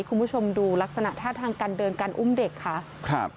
คุณผู้ชมดูลักษณะท่าทางการเดินการอุ้มเด็กค่ะครับ